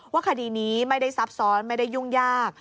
คดีนี้ไม่ได้ซับซ้อนไม่ได้ยุ่งยาก